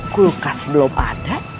kulkas belum ada